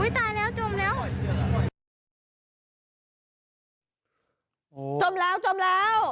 อุ๊ยตายแล้วจมแล้ว